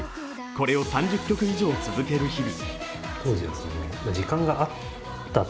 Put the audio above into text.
これを３０曲以上続ける日々。